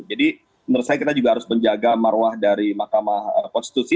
jadi menurut saya kita juga harus menjaga maruah dari makamah konstitusi